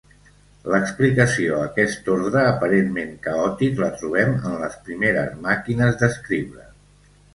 L'explicació a aquest ordre aparentment caòtic la trobem en les primeres màquines d'escriure.